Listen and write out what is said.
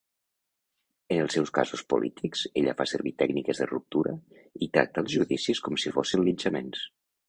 En els seus casos polítics, ella fa servir tècniques de ruptura i tracta els judicis com si fossin linxaments.